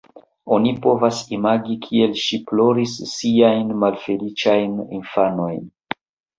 Oni povas imagi, kiel ŝi ploris siajn malfeliĉajn infanojn.